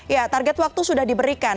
ya target waktu sudah diberikan